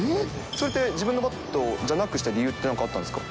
それって、自分のバットじゃなくした理由って、なんかあったんですか？